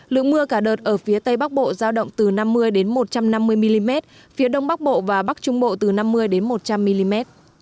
lượng mưa cả đợt ở phía tây bắc bộ giao động từ năm mươi một trăm năm mươi mm phía đông bắc bộ và bắc trung bộ từ năm mươi một trăm linh mm